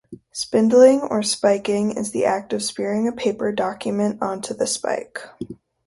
"Spindling" or "spiking" is the act of spearing a paper document onto the spike.